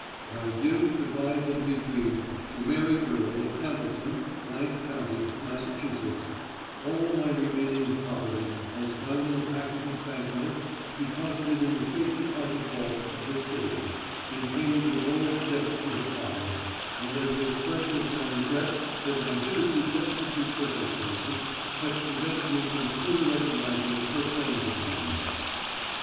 I give, devise, and bequeath to Mary Earle of Hamilton, —— county, Massachusetts, all my remaining property as found in the package of banknotes deposited in the safe deposit vaults of this city, in payment of an old debt to her father, and as an expression of my regret that my hitherto destitute circumstances have prevented me from sooner recognizing her claims upon me.